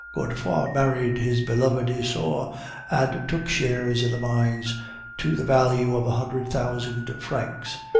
Godefroid married his beloved Isaure and took shares in the mines to the value of a hundred thousand francs.